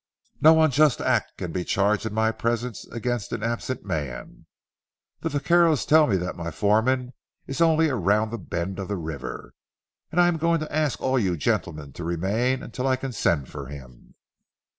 No unjust act can be charged in my presence against an absent man. The vaqueros tell me that my foreman is only around the bend of the river, and I'm going to ask all you gentlemen to remain until I can send for him."